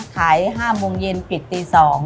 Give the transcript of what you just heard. ขาย๕โมงเย็นปิดตี๒